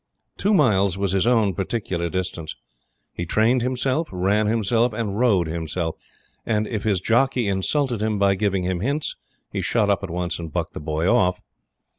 Two miles was his own particular distance. He trained himself, ran himself, and rode himself; and, if his jockey insulted him by giving him hints, he shut up at once and bucked the boy off.